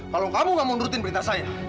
kalau kamu gak mundurin berita saya